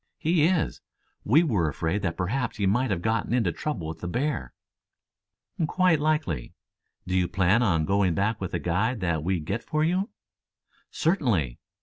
"He is. We were afraid that perhaps he might have gotten into trouble with the bear." "Quite likely. Do you plan on going back with the guide that we get for you?" "Certainly."